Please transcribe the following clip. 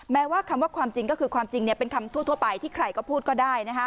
แม้ว่าคำว่าความจริงก็คือความจริงเป็นคำทั่วไปที่ใครก็พูดก็ได้